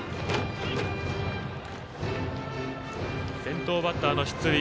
先頭バッターの出塁。